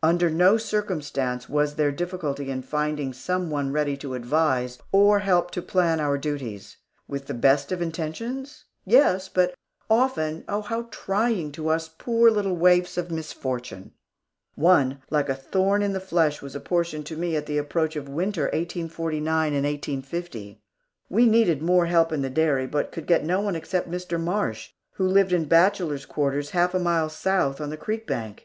Under no circumstance was there difficulty in finding some one ready to advise or help to plan our duties. With the best of intentions? Yes, but often, oh, how trying to us, poor little waifs of misfortune! One, like a thorn in the flesh, was apportioned to me at the approach of the Winter of 1849 and 1850. We needed more help in the dairy, but could get no one except Mr. Marsh, who lived in bachelor quarters half a mile south on the creek bank.